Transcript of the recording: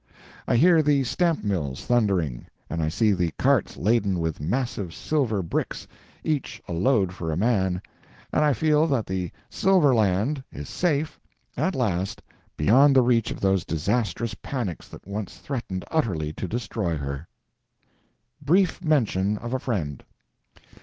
I hear the stamp mills thundering, and I see the carts laden with massive silver bricks—each a load for a man—and I feel that the Silver Land is safe at last beyond the reach of those disastrous panics that once threatened utterly to destroy her. BRIEF MENTION OF A FRIEND.